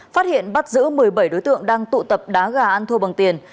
phát hiện bắt giữ một mươi bảy đối tượng đang tụ tập đá gà ăn thua bằng tiền